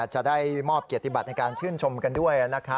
จะได้มอบเกียรติบัติในการชื่นชมกันด้วย